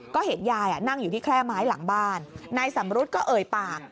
ก็เห็นยายนั่งอยู่ที่แคร่ไม้หลังบ้านนายสำรุษก็เอ่ยปาก